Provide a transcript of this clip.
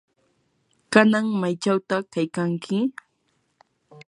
¿kanan maychawta kaykanki?